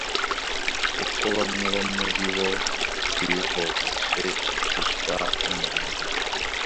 uko bamwe bo muri bo bivovose bakicwa n’umurimbuzi"